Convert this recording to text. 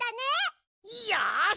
よし！